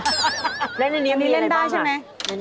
เล่นอันนี้มีอะไรบ้างอ่ะนี่เล่นได้ใช่ไหมนี่มี